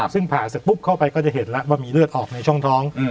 ซึ่งผ่าเสร็จปุ๊บเข้าไปก็จะเห็นแล้วว่ามีเลือดออกในช่องท้อง